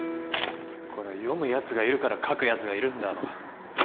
これを読むやつがいるから書くやつがいるんだろ